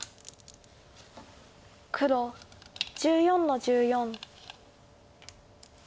黒１４の十四。